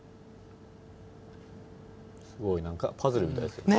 すごいなんかパズルみたいですね！